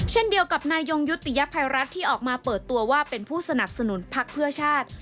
เช่นเดียวกับนายยงยุติยภัยรัฐที่ออกมาเปิดตัวว่าเป็นผู้สนับสนุนพักเพื่อชาติ